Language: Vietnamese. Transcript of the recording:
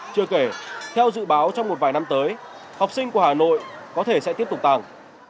chưa kể theo dự báo trong một vài năm tới học sinh của hà nội có thể sẽ tiếp tục tăng